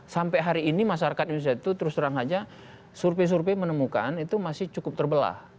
sampai hari ini masyarakat indonesia itu terus terang saja survei survei menemukan itu masih cukup terbelah